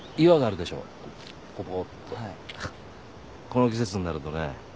この季節になるとね